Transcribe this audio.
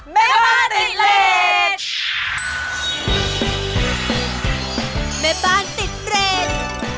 เมตตาติดเลส